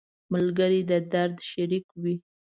ملګری د درد شریک وي